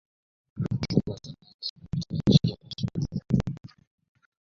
Jumlasini o‘qisang tiling chigallashib ketadi.